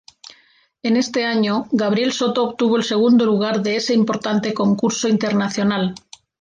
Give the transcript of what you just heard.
En este año, Gabriel Soto obtuvo el segundo lugar de ese importante concurso internacional.